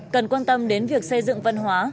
cần quan tâm đến việc xây dựng văn hóa